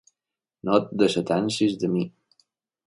No et desatansis de mi.